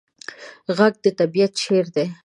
غږ د طبیعت شعر دی